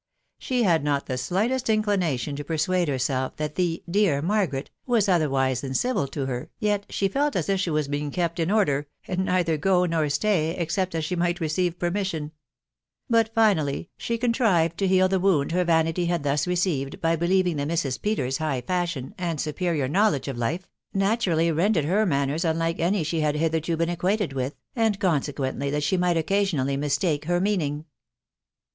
She had not the slightest inclination to per suade herself that the "dear Margaret" was otherwise than civil to her, yet she felt as if she was to be kept in order, and neither go, nor stay, except as she might receive permission; but, finally, she contrived to heal the wound her vanity had thus received by believing that Mrs. Peters' s high fashion, and superior knowledge of life, naturally rendered her manners unlike any she had hitherto been acquainted with, «u<3l roxLW^a&ttfc} *taax she might occasionally mistake her me&xvm£« k 3 £34 THB WIDOW BARN A BY.